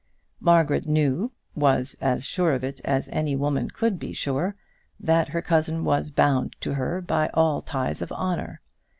Margaret knew was as sure of it as any woman could be sure that her cousin was bound to her by all ties of honour.